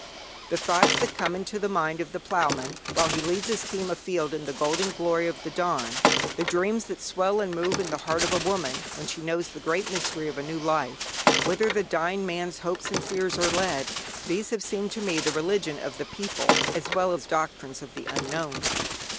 The thoughts that come into the mind of the ploughman while he leads his team afield in the golden glory of the dawn; the dreams that swell and move in the heart of the woman when she knows the great mystery of a new life; whither the dying man's hopes and fears are led these have seemed to me the religion of the people as well as doctrines of the unknown.